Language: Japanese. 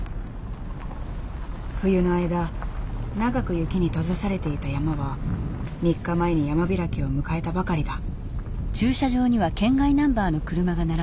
冬の間長く雪に閉ざされていた山は３日前に山開きを迎えたばかりだ。